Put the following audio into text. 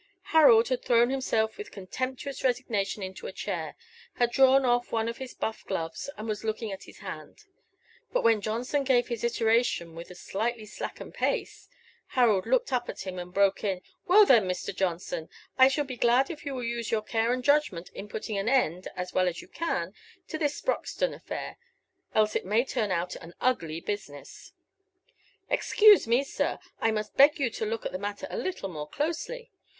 Harold had thrown himself with contemptuous resignation into a chair, had drawn off one of his buff gloves, and was looking at his hand. But when Johnson gave his iteration with a slightly slackened pace, Harold looked up at him and broke in "Well then, Mr. Johnson, I shall be glad if you will use your care and judgment in putting an end, as well as you can, to this Sproxton affair; else it may turn out an ugly business." "Excuse me, sir; I must beg you to look at the matter a little more closely.